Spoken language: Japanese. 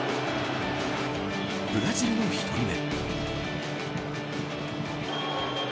ブラジルの１人目。